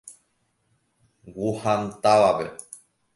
Wuhan távape.